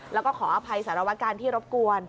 แล้วก็ขออภัยสารวการที่รบกวน